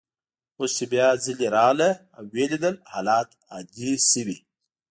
اوس چي بیا ځلې راغله او ویې لیدل، حالات عادي شوي.